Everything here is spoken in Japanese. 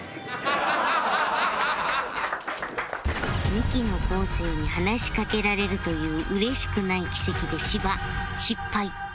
ミキの昴生に話しかけられるといううれしくない奇跡で芝失敗